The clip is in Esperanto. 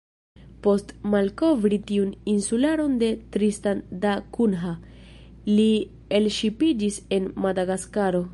Post malkovri tiun insularon de Tristan da Cunha, li elŝipiĝis en Madagaskaro.